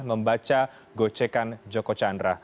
membaca gocekan joko chandra